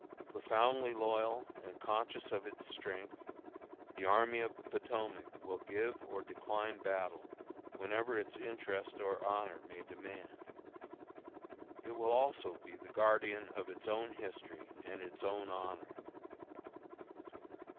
Profoundly loyal, and conscious of its strength, the Army of the Potomac will give or decline battle whenever its interest or honor may demand. It will also be the guardian of its own history and its own honor.